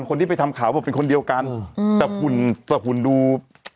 คนที่ไปทำข่าวบอกเป็นคนเดียวกันอืมแต่หุ่นแต่หุ่นดู